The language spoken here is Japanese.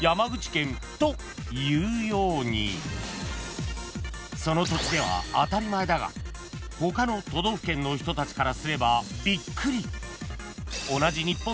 ［というようにその土地では当たり前だが他の都道府県の人たちからすればびっくり］